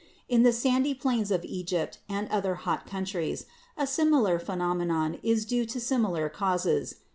In the sandy plains of Egypt and other hot countries a similar phenomenon is due to similar causes.